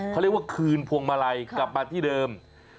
เขาเรียกว่าคืนพวงมาลัยกลับมาที่เดิม